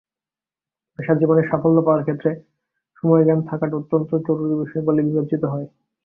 পেশাজীবনে সাফল্য পাওয়ার ক্ষেত্রে সময়জ্ঞান থাকাটা অত্যন্ত জরুরি বিষয় বলেই বিবেচিত হয়।